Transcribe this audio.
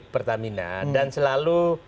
pertamina dan selalu